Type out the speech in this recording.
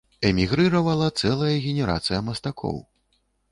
Эмігрыравала цэлая генерацыя мастакоў.